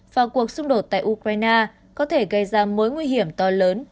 và cuộc xung đột tại ukraine có thể gây ra mối nguy hiểm to lớn